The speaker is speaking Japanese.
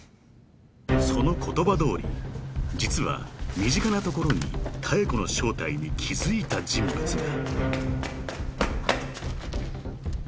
［その言葉どおり実は身近なところに妙子の正体に気付いた人物が］